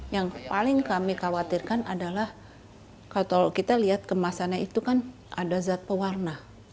yang paling kami khawatirkan adalah kalau kita lihat kemasannya itu kan ada zat pewarna